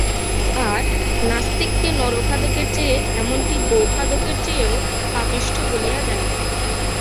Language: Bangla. আর, নাস্তিককে নরঘাতকের চেয়ে, এমন-কি গো-খাদকের চেয়েও পাপিষ্ঠ বলিয়া জানিতাম।